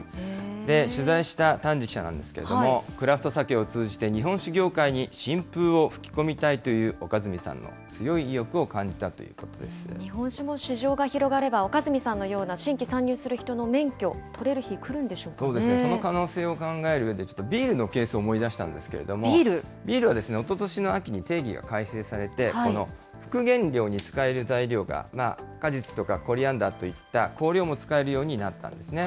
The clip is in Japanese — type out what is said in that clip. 取材した丹治記者なんですけれども、クラフトサケを通じて、日本酒業界に新風を吹き込みたいという岡住さんの強い意欲を感じ日本酒も市場が広がれば、岡住さんのような新規参入する人の免許、そうですね、その可能性を考えるうえで、ちょっとビールのケースを思い出したんですけど、ビールはおととしの秋に、定義が改正されて、副原料に使える材料が、果実とかコリアンダーといった香料も使えるようになったんですね。